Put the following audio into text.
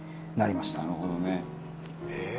「なるほどね」「ええー？」